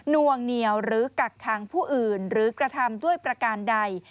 วงเหนียวหรือกักคังผู้อื่นหรือกระทำด้วยประการใด